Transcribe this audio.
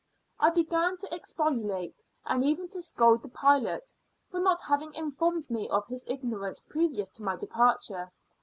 I began to expostulate, and even to scold the pilot, for not having informed me of his ignorance previous to my departure.